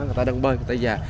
người ta đang bơi người ta già